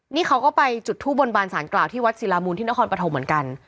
นี่เขาก็ไปจุดทูบบนบานสารกล่าวที่วัดศิลามูลที่นครปฐมเหมือนกัน